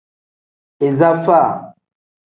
Iza faa.